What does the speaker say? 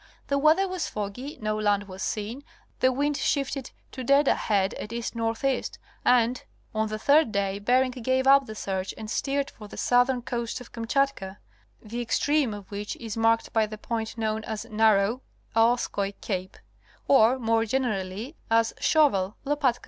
The weather was foggy, no land was seen, the wind shifted to dead ahead at east northeast, and on the third day Bering gave up the search and steered for the southern coast of Kamchatka, the extreme of which is marked by the point known as Narrow (Ooskoi) Cape, or more generally as Shovel (Lopatka) Cape, from its low square termination.